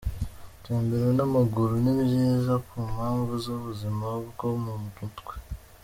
Gutembera n’amaguru ni byiza ku mpamvu z’ubuzima bwo mu mutwe.